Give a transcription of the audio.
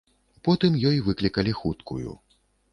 Потым ёй выклікалі хуткую.